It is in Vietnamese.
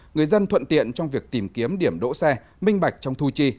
người dân thuận tiện trong việc tìm kiếm điểm đỗ xe minh bạch trong thu chi